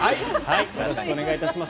よろしくお願いします。